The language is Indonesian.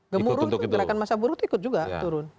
gemuruh itu gerakan masa buruh itu ikut juga turun